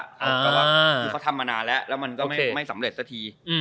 แต่ว่าคือเขาทำมานานแล้วแล้วมันก็ไม่สำเร็จสักที